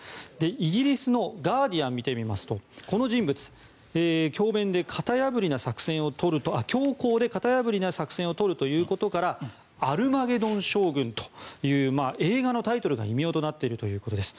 イギリスのガーディアンを見てみますとこの人物、強硬で型破りな作戦をとるということからアルマゲドン将軍という映画のタイトルが異名となっているということです。